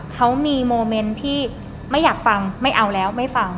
เขามีโมเมนต์ที่ไม่อยากฟังไม่เอาแล้วไม่ฟัง